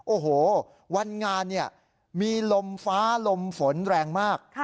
โอ้โหวันงานเนี่ยมีลมฟ้าลมฝนแรงมาก